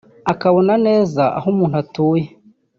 akabona neza aho umuntu atuye